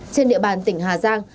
trên địa bàn tỉnh hà giang